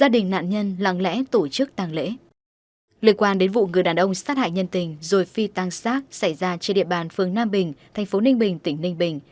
liên quan đến vụ người đàn ông sát hại nhân tình rồi phi tăng sát xảy ra trên địa bàn phường nam bình thành phố ninh bình tỉnh ninh bình